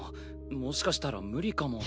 もしかしたら無理かも。